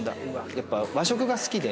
やっぱ和食が好きで。